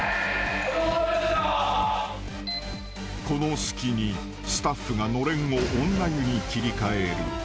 ［この隙にスタッフがのれんを女湯に切り替える］